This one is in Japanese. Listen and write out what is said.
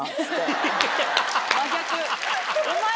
真逆。